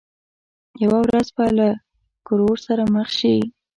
یوه ورځ به له ښکرور سره مخ شي.